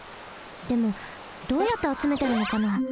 でもどうやってあつめてるのかな？